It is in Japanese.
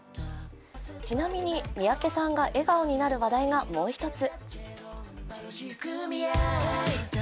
ちなみに三宅さんが笑顔になる話題がもう一つ。